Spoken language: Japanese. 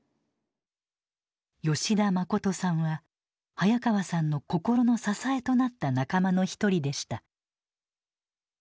吉田信さんは早川さんの心の支えとなった仲間の一人でした。